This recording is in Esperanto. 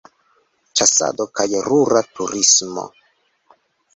Ĉasado kaj rura turismo.